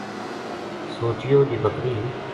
سوچیو جے بکری